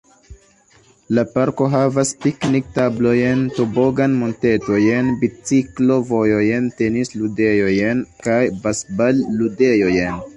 La parko havas piknik-tablojn, tobogan-montetojn, biciklo-vojojn, tenis-ludejojn, kaj basbal-ludejojn.